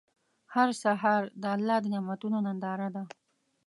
هر سهار د الله د نعمتونو ننداره ده.